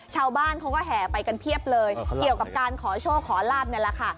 ชาวบ้านเขาก็แห่ไปกันเพียบเลยเกี่ยวกับการขอโชคขอลาบนี่แหละค่ะ